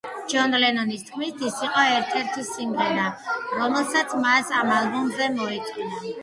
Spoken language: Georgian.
ჯონ ლენონის თქმით, ეს იყო ერთ-ერთი სიმღერა, რომელსაც მას ამ ალბომზე მოეწონა.